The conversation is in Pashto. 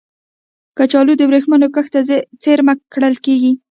کچالو د ورېښمو کښت ته څېرمه کرل کېږي